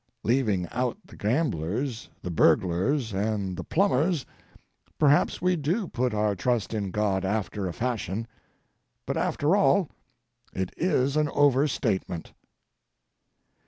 Leaving out the gamblers, the burglars, and the plumbers, perhaps we do put our trust in God after a fashion. But, after all, it is an overstatement.